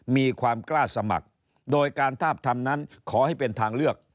มีความกล้าสมัครโดยการทาบทำนั้นขอให้เป็นทางเลือก